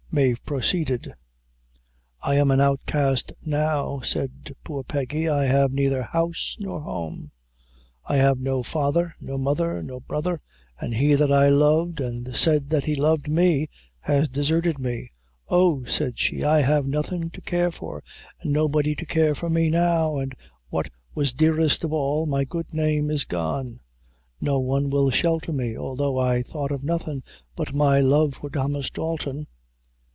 Mave proceeded: "'I am an outcast now,' said poor Peggy; 'I have neither house nor home; I have no father, no mother, no brother, an' he that I loved, an' said that he loved me, has deserted me. Oh,' said she, 'I have nothing to care for, an' nobody to care for me now, an' what was dearest of all my good name is gone: no one will shelter me, although I thought of nothing but my love for Thomas Dalton!'